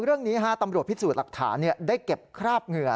เรื่องนี้ตำรวจพิสูจน์หลักฐานได้เก็บคราบเหงื่อ